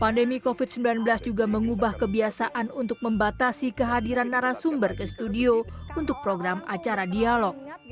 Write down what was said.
pandemi covid sembilan belas juga mengubah kebiasaan untuk membatasi kehadiran narasumber ke studio untuk program acara dialog